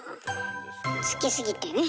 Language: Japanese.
好きすぎてね。